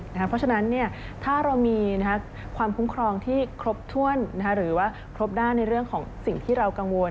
เพราะฉะนั้นถ้าเรามีความคุ้มครองที่ครบถ้วนหรือว่าครบด้านในเรื่องของสิ่งที่เรากังวล